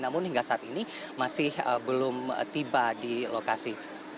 namun hingga saat ini masih belum tiba di lokasi